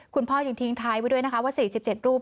คุณพ่อยังทิ้งท้ายไว้ด้วยนะคะว่า๔๗รูป